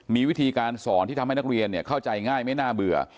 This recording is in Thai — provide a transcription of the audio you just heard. มีวิธีการสอนที่ทำให้นักเรียนเข้าใจง่ายไม่น่าเบื่อ